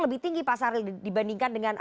lebih tinggi pak saril dibandingkan dengan